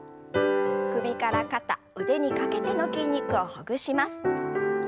首から肩腕にかけての筋肉をほぐします。